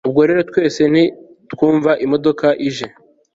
ubwo rero twese nitwumva imodoka ije